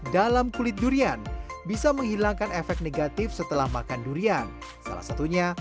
dalam kulit durian bisa menghilangkan efek negatif setelah makan durian salah satunya